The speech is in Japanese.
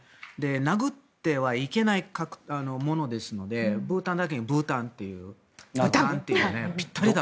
殴ってはいけないものですのでブータンだけにぶたんというのがぴったりだと。